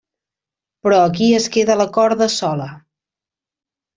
Però aquí es queda la corda sola.